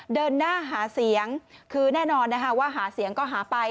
เดินหน้าหาเสียงคือแน่นอนนะคะว่าหาเสียงก็หาไป